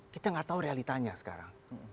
kita nggak tahu realitanya sekarang